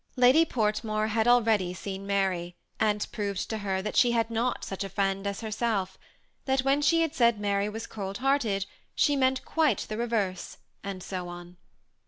Lady Portmore had already seen Mary, and proved to her that she had not such a friend as herself ; that when she had said Mary was cold hearted, she meant quite the reverse, and so on.